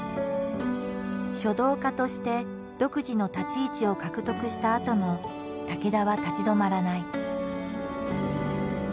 書道家として独自の立ち位置を獲得したあとも武田は立ち止まらない。